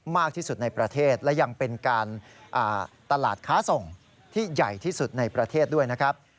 มากที่สุดในประเทศและยังเป็นการตลาดค้าส่งที่ใหญ่ที่สุดในประเทศด้วยนะครับ